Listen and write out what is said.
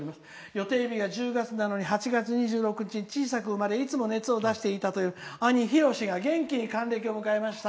予定日が１０月なのに８月２６日に小さく生まれいつも熱を出していたという兄、ひろしが元気に還暦を迎えました。